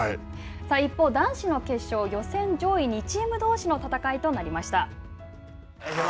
さあ一方、男子の決勝予選上位２チームどうしの戦いとなりました。